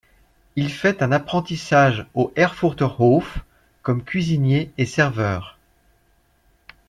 Il fait un apprentissage au Erfurter Hof comme cuisinier et serveur.